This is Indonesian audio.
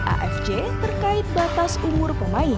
afc terkait batas umur pemain